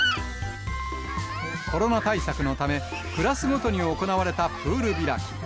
コロナ対策のため、クラスごとに行われたプール開き。